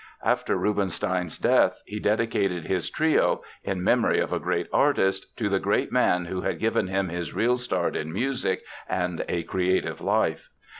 After Rubinstein's death, he dedicated his Trio, In Memory of a Great Artist, to the great man who had given him his real start in music and a creative life.